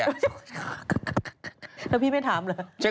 แล้วพี่ไม่ถามเหรอ